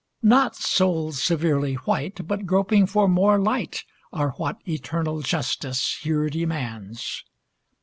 Not souls severely white, But groping for more light, Are what Eternal Justice here demands.